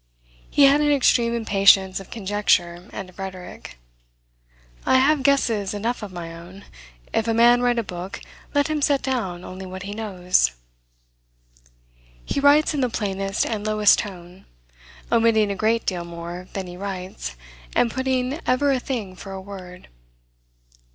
He had an extreme impatience of conjecture, and of rhetoric. "I have guesses enough of my own; if a man write a book, let him set down only what he knows." He writes in the plainest and lowest tone, omitting a great deal more than he writes, and putting ever a thing for a word.